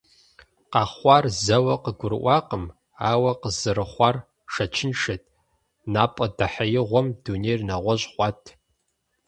Къэхъуар зэуэ къыгурыӀуакъым, ауэ къызэрыхъуар шэчыншэт, напӀэдэхьеигъуэм дунейр нэгъуэщӀ хъуат.